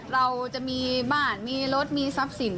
เราจะมีบ้านมีรถมีทรัพย์สิน